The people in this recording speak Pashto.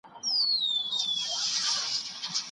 په نوښت سره کارونه اسانه کېږي.